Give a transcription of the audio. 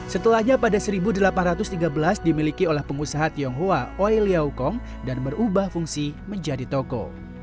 setelahnya pada seribu delapan ratus tiga belas dimiliki oleh pengusaha tionghoa oil leau kong dan berubah fungsi menjadi toko